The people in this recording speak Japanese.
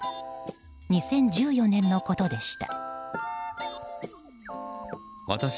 ２０１４年のことでした。